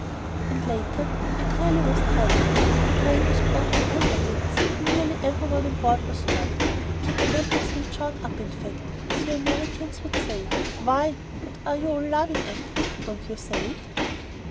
And later: "It really was dreadful. The train was broken all to bits, and nearly every one on board was hurt, catawampously chawed up in fact, as you Americans would say. Why, what are you all laughing at? Don't you say it?"